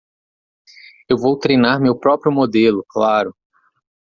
Eu vou treinar meu próprio modelo, claro.